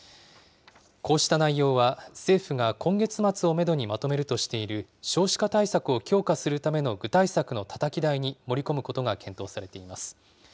こうした内容は、政府が今月末をメドにまとめるとしている少子化対策を強化するための具体策のたたき台に盛り込むことが検討されています。